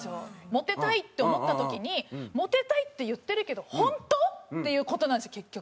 モテたいって思った時にモテたいって言ってるけど本当？っていう事なんですよ結局。